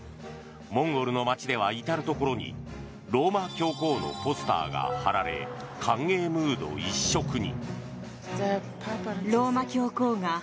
モンゴルの街では至るところにローマ教皇のポスターが貼られ歓迎ムード一色に。